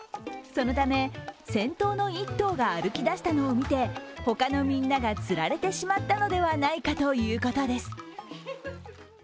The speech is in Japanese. そのため先頭の１頭が歩き出したのを見て他のみんながつられてしまったのではないかということです。